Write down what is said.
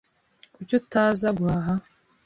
Kuki utaza guhaha?